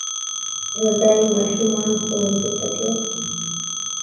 یو ځای ماشومان ښوونځی ته تلل.